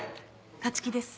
立木です。